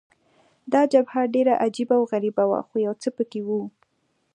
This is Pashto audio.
دا جبهه ډېره عجبه او غریبه وه، خو یو څه په کې وو.